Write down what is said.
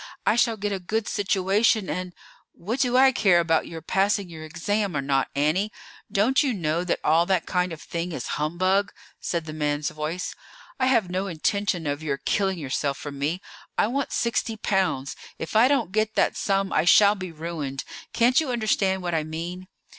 I shall get a good situation and——" "What do I care about your passing your exam., or not, Annie? Don't you know that all that kind of thing is humbug," said the man's voice. "I have no intention of your killing yourself for me. I want sixty pounds; if I don't get that sum I shall be ruined. Can't you understand what I mean?"